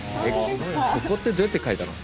ここってどうやって描いたの？